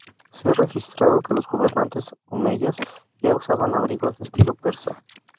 Se ha registrado que los gobernantes omeyas ya usaban abrigos de estilo persa.